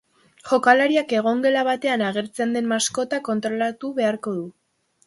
Jokalariak egongela batean agertzen den maskota kontrolatu beharko du.